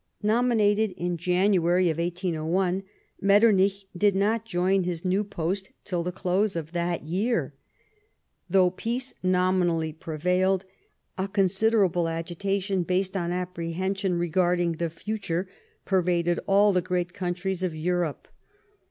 Nominated in January, 1801, Metternich did not join his new post till the close of that year. Though peace nominally prevailed, a considerable agitation, based on apprehension regarding the future, pervaded all the great countries of Europe.